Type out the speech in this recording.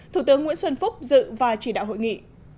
thủ tướng nguyễn xuân phúc dự và chỉ đạo hội nghị